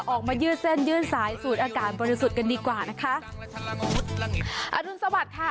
ยืดเส้นยื่นสายสูดอากาศบริสุทธิ์กันดีกว่านะคะอรุณสวัสดิ์ค่ะ